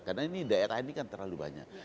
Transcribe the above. karena ini daerah ini kan terlalu banyak